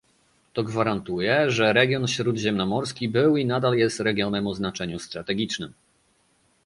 To gwarantuje, że region śródziemnomorski był i nadal jest regionem o znaczeniu strategicznym